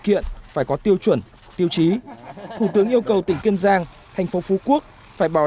kiện phải có tiêu chuẩn tiêu chí thủ tướng yêu cầu tỉnh kiên giang thành phố phú quốc phải bảo